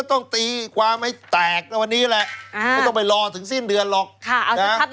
ต้องคล้ายแน่เลยนะ